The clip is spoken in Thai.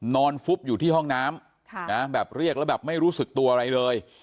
ฟุบอยู่ที่ห้องน้ำแบบเรียกแล้วแบบไม่รู้สึกตัวอะไรเลย